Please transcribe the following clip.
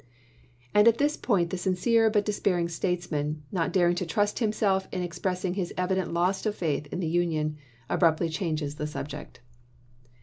And at this point the sincere but despairing statesman, not daring to trust himself in express ing his evident loss of faith in the Union, abruptly changes the subject.